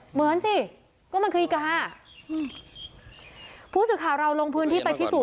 เหมือนสิก็มันคืออีกาอืมผู้สื่อข่าวเราลงพื้นที่ไปพิสูจน